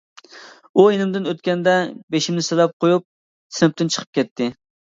ئۇ يېنىمدىن ئۆتكەندە بېشىمنى سىلاپ قويۇپ سىنىپتىن چىقىپ كەتتى.